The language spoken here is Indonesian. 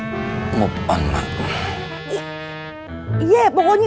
kamu juga mau diberi